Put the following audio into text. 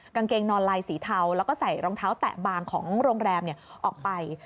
กางเกงนอนลายสีเทาแล้วก็ใส่รองเท้าแตะบางของโรงแรมออกไป